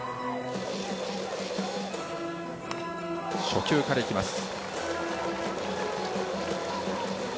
初球から行きます。